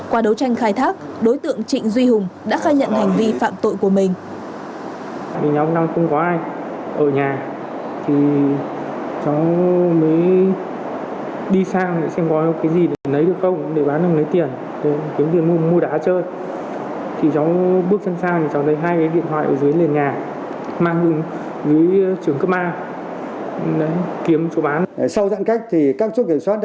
qua đấu tranh khai thác đối tượng trịnh duy hùng đã khai nhận hành vi phạm tội của mình